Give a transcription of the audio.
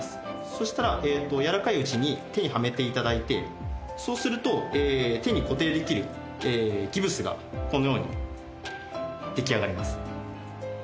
そうしたら、柔らかいうちに手にはめていただいて、そうすると、手に固定できるギブスがこのように出来上がります。